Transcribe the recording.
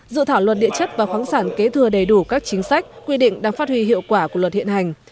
dự thảo luật địa chất và khoáng sản kế thừa đầy đủ các chính sách quy định đang phát huy hiệu quả của luật hiện hành